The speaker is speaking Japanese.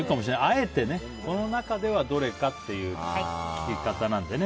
あえて、この中ではどれかっていう聞き方なのでね。